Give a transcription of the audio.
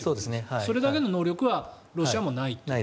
それだけの能力はロシアもないと。